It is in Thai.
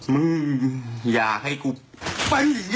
มึงอยากให้กูไปอย่างนี้เหรอ